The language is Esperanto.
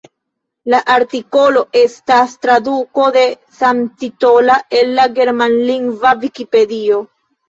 La artikolo estas traduko de samtitola el la germanlingva Vikipedio.